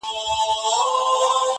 د خواست کړي آس غاښ مه گوره.